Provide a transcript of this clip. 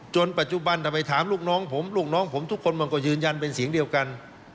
ปัจจุบันถ้าไปถามลูกน้องผมลูกน้องผมทุกคนมันก็ยืนยันเป็นเสียงเดียวกัน